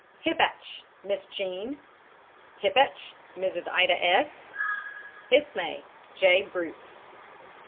HIPPACH, MISS JEAN. HIPPACH, MRS. IDA S. ISMAY, J. BRUCE.